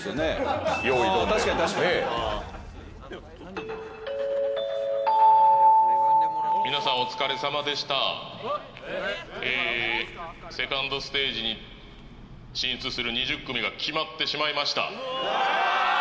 用意ドンで確かに確かに皆さんお疲れさまでしたセカンドステージに進出する２０組が決まってしまいましたうわ